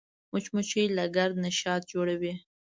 مچمچۍ له ګرده نه شات جوړوي